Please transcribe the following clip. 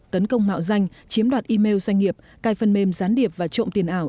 tấn công mạo danh chiếm đoạt email doanh nghiệp cai phần mềm gián điệp và trộm tiền ảo